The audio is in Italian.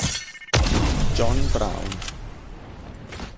John Brown